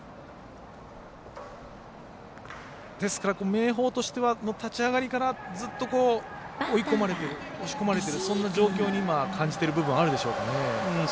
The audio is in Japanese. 明豊としては立ち上がりからずっと追い込まれている押し込まれているそんな状況に感じてる部分はあるでしょうか。